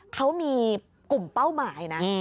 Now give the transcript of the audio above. เขามีกลุ่มเป้าหมายนะ